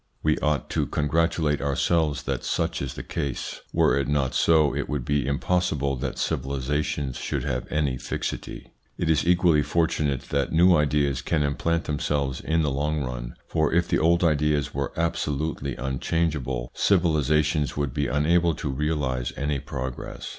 We ought to congratulate ourselves that such is the case ; were it not so it would be impossible that civilisations should have any fixity. It is equally fortunate that new ideas can implant themselves in the long run, for if the old ideas were absolutely unchangeable, civilisations would be unable to realise any progress.